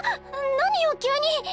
何よ急に。